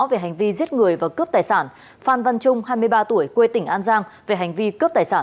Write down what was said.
về hành vi giết người và cướp tài sản phan văn trung hai mươi ba tuổi quê tỉnh an giang về hành vi cướp tài sản